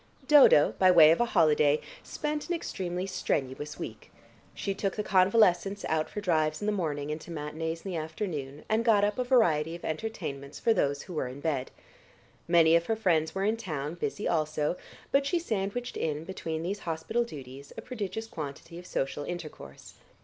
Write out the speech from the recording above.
Dodo, by way of a holiday, spent an extremely strenuous week. She took the convalescents out for drives in the morning, and to matinées in the afternoon, and got up a variety of entertainments for those who were in bed. Many of her friends were in town, busy also, but she sandwiched in, between these hospital duties, a prodigious quantity of social intercourse.